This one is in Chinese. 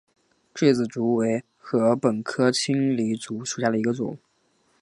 稚子竹为禾本科青篱竹属下的一个种。